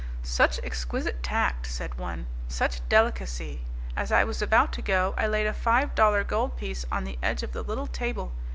"Such exquisite tact!" said one. "Such delicacy! As I was about to go I laid a five dollar gold piece on the edge of the little table.